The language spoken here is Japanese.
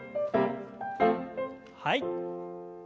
はい。